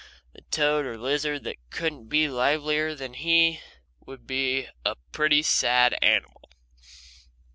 The toad or lizard that couldn't be livelier than he is would be a pretty sad animal.